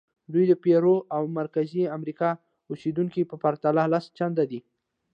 دوی د پیرو او مرکزي امریکا اوسېدونکو په پرتله لس چنده دي.